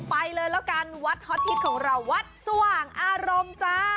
ไปเลยแล้วกันวัดฮอตฮิตของเราวัดสว่างอารมณ์จ้า